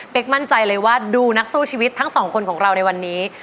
เป็นมั่นใจเลยว่าดูนักสู้ชีวิตทั้งสองคนของเราในวันนี้